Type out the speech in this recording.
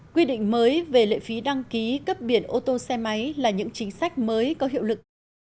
quy định mới về lệ phí đăng ký cấp biển ô tô xe máy là những chính sách mới có hiệu lực